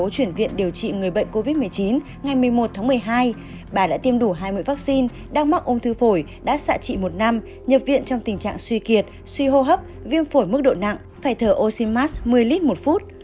covid một mươi chín ngày một mươi một tháng một mươi hai bà đã tiêm đủ hai mươi vaccine đang mắc ung thư phổi đã xạ trị một năm nhập viện trong tình trạng suy kiệt suy hô hấp viêm phổi mức độ nặng phải thở oxymax một mươi lít một phút